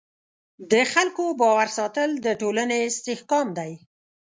د خلکو باور ساتل د ټولنې استحکام دی.